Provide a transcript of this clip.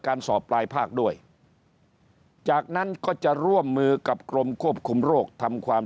สอบปลายภาคด้วยจากนั้นก็จะร่วมมือกับกรมควบคุมโรคทำความ